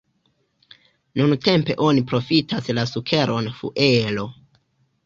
Nuntempe oni profitas la sukeron fuelo.